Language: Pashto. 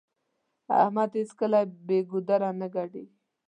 احمد هيڅکله بې ګودره نه ګډېږي.